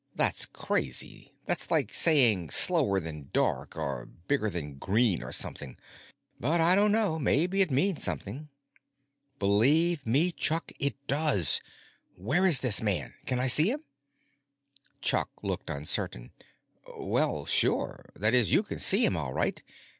That's crazy; that's like saying slower than dark, or bigger than green, or something. But I don't know, maybe it means something." "Believe me, Chuck, it does! Where is this man—can I see him?" Chuck looked uncertain. "Well, sure. That is, you can see him all right.